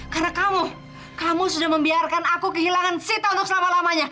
karena kamu kamu sudah membiarkan aku kehilangan sita untuk selama lamanya